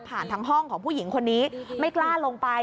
ทางห้องของผู้หญิงคนนี้ไม่กล้าลงไป